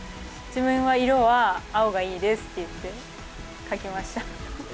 自分は色は青がいいですっていって、書きました。